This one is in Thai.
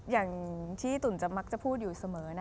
อย่างที่ตุ๋นจะมักจะพูดอยู่เสมอ